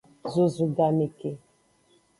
Zozu game ke.